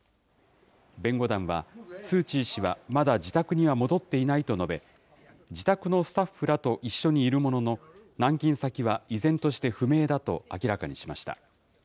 弁護団は、スー・チー氏はまだ自宅には戻っていないと述べ、自宅のスタッフらと一緒にいるものの、軟禁先は依然として不明だと明らかにしました。